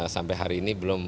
sampai hari ini belum